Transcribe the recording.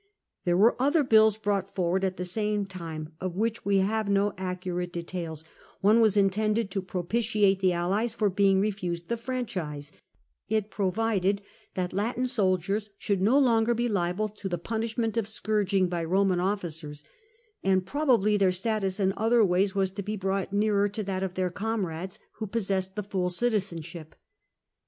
There were other bills brought forward at the same time of which we have no accurate details* 74 CAIUS GRACCHUS on© was intended to propitiate the allies for being refused the franchise; it provided that Latin soldiers should no longer b© liable to the punishment of scourging by Roman officers — and probably their status in other ways was to be brought nearer to that of their comrades who possessed the full citizenship.